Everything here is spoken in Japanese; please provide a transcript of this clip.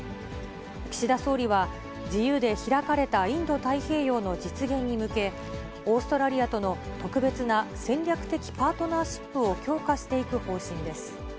岸田総理は、自由で開かれたインド太平洋の実現に向け、オーストラリアとの特別な戦略的パートナーシップを強化していく方針です。